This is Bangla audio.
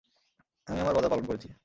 আমি আমার ওয়াদা পালন করেছি।